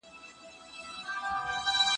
پر غاټولو نوره نه پرېوته پرخه